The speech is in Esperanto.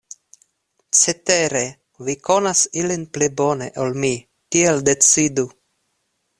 Cetere vi konas ilin pli bone ol mi, tial decidu.